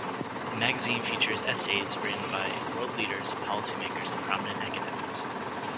The magazine features essays written by world leaders, policy makers, and prominent academics.